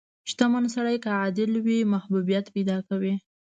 • شتمن سړی که عادل وي، محبوبیت پیدا کوي.